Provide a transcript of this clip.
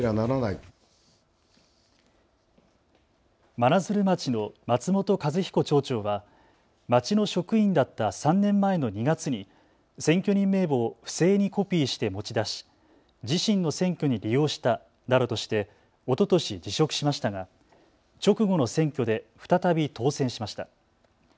真鶴町の松本一彦町長は町の職員だった３年前の２月に選挙人名簿を不正にコピーして持ち出し、自身の選挙に利用したなどとしておととし辞職しましたが直後の選挙で再び当選しました。